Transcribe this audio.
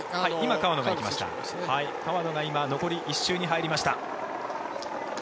川野が今残り１周に入りました。